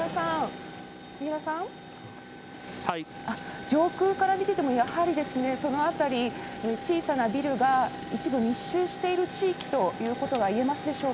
三浦さん、上空から見てても、やはりその辺り、小さなビルが一部密集している地域ということが言えますでしょう